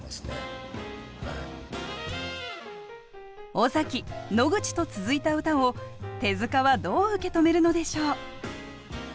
尾崎野口と続いた歌を手塚はどう受け止めるのでしょう。